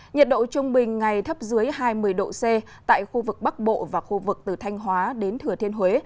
nhiệt độ trung bình ngày thấp dưới hai mươi độ c tại khu vực bắc bộ và khu vực từ thanh hóa đến thừa thiên huế